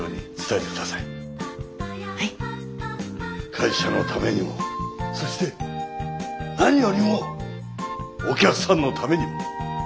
会社のためにもそして何よりもお客さんのためにも。